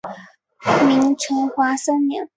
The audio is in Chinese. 明成化三年。